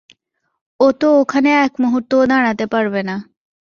ও তো ওখানে এক মুহুর্ত ও দাঁড়াতে পারবে না।